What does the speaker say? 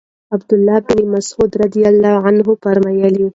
عَبْد الله بن مسعود رضی الله عنه فرمايي: